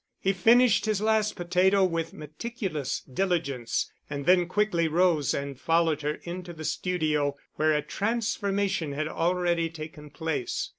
He finished his last potato with meticulous diligence and then quickly rose and followed her into the studio where a transformation had already taken place.